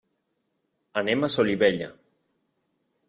Anem a Solivella.